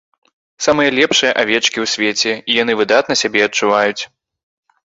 Самыя лепшыя авечкі ў свеце, і яны выдатна сябе адчуваюць.